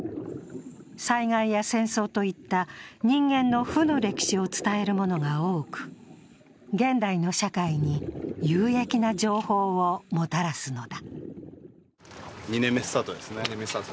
災害や戦争といった人間の負の歴史を伝えるものが多く、現代の社会に有益な情報をもたらすのだ。